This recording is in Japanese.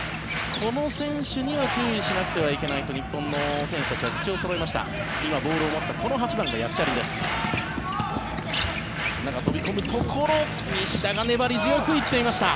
この選手には注意しなくてはいけないと日本の選手たちは口をそろえました。